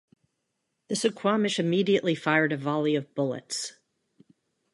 The Suquamish immediately fired a volley of bullets.